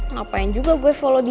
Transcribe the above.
ngapain juga gue follow dia